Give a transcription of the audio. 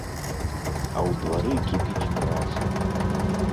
А ў двары кіпіць праца!